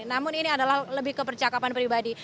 namun ini adalah lebih ke percakapan pribadi